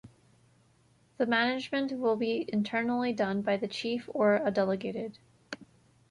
The management will be internally done by the Chief or a delegated.